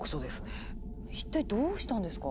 一体どうしたんですか？